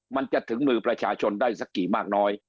มันจะถึงมือประชาชนได้สักกี่มากน้อย